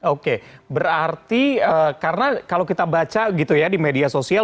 oke berarti karena kalau kita baca gitu ya di media sosial